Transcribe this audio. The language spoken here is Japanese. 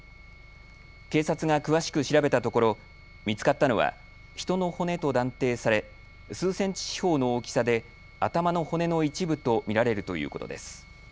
警察が詳しく調べたところ見つかったのは人の骨と断定され数センチ四方の大きさで頭の骨の一部と見られるということです。